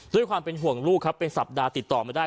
ด้วยความเป็นห่วงลูกครับเป็นสัปดาห์ติดต่อไม่ได้